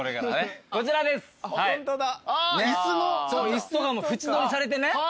椅子とかも縁取りされてね。